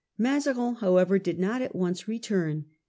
Mazarin, however, did not at once return.